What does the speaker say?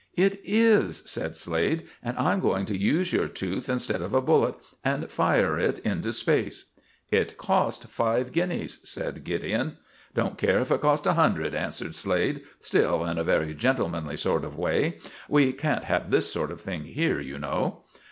"It is," said Slade, "and I'm going to use your tooth instead of a bullet, and fire it into space." "It cost five guineas," said Gideon. "Don't care if it cost a hundred," answered Slade, still in a very gentlemanly sort of way. "We can't have this sort of thing here, you know."